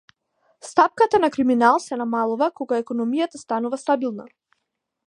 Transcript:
Стапката на криминал се намалува кога економијата станува стабилна.